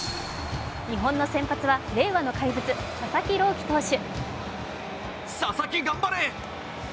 日本の先発は令和の怪物・佐々木朗希投手。